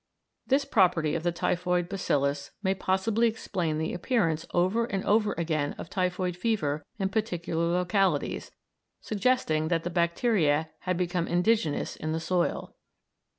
This property of the typhoid bacillus may possibly explain the appearance over and over again of typhoid fever in particular localities, suggesting that the bacteria had become indigenous in the soil.